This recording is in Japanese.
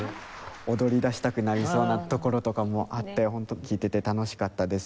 踊り出したくなりそうなところとかもあってホント聴いてて楽しかったです。